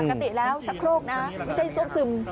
อักติแล้วชะโครกนะใจโซ่บซึม